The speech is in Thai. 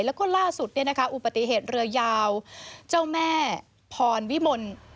แล้วก็ล่าสุดอุปติเหตุเรือยาวเจ้าแม่พรวิมล